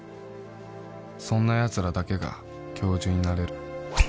そんなヤツらだけが教授になれる